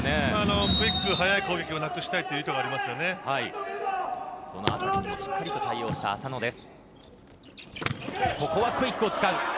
クイック、速い攻撃をなくしたいという意図がそのあたりもしっかりと対応した麻野です。